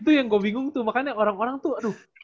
itu yang gue bingung tuh makanya orang orang tuh aduh